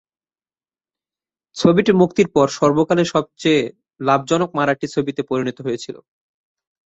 ছবিটি মুক্তির পর সর্বকালের সবচেয়ে লাভজনক মারাঠি ছবিতে পরিণত হয়েছিল।